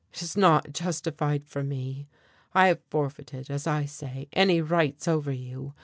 "It is not justified for me. I have forfeited, as I say, any rights over you.